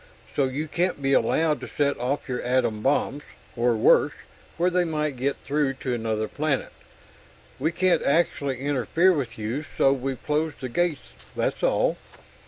So you can't be allowed to set off your atom bombs, or worse, where they might get through to another planet. We can't actually interfere with you, so we've closed the gates; that's all."